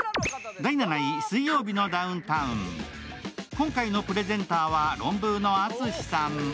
今回のプレゼンターはロンブーの淳さん。